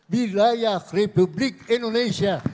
bilayah republik indonesia